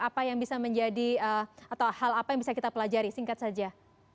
apa yang bisa menjadi atau hal apa yang bisa kita pelajari singkat saja